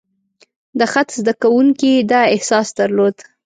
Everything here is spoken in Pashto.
د خط زده کوونکي دا احساس درلود.